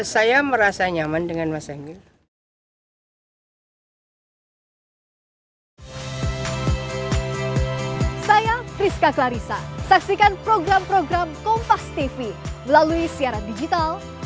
saya merasa nyaman dengan mas emil